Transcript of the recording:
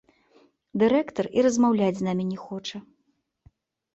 Дырэктар і размаўляць з намі не хоча.